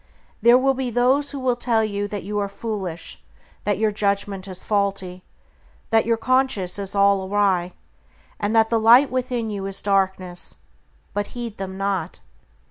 There will be those who will tell you that you are foolish; that your judgment is faulty; that your conscience is all awry, and that the Light within you is darkness; but heed them not.